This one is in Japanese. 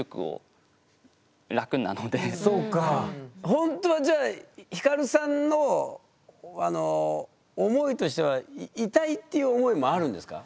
ほんとはじゃあヒカルさんの思いとしては「いたい」っていう思いもあるんですか？